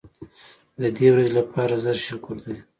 د دې ورځې لپاره زر شکر دی.